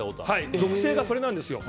属性がそれなんですよ。